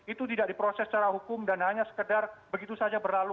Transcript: itu tidak diproses secara hukum dan hanya sekedar begitu saja berlalu